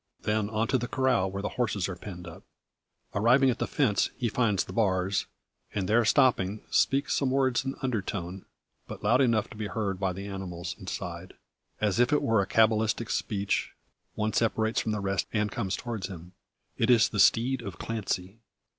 Then on to the corral where the horses are penned up. Arriving at the fence he finds the bars, and there stopping, speaks some words in undertone, but loud enough to be heard by the animals inside. As if it were a cabalistic speech, one separates from the rest, and comes towards him. It is the steed of Clancy.